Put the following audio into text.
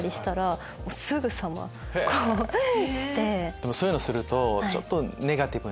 でもそういうのするとちょっと。